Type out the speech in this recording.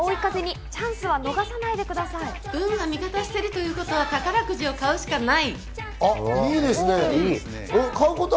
運が味方しているということは、宝くじを買うしかない。